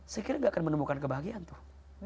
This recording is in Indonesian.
saya kira gak akan menemukan kebahagiaan tuh